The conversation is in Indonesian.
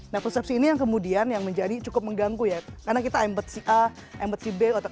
nah persepsi ini yang kemudian yang menjadi cukup mengganggu ya karena kita embed si a embed si b